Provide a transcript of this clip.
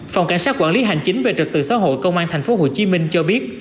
phòng cảnh sát quản lý hành chính về trật tự xã hội công an tp hcm cho biết